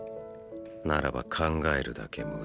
ならば考えるだけ無駄だ。